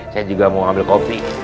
saya juga mau ambil kopi